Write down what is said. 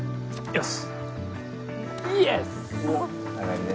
よし！